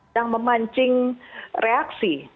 yang memancing reaksi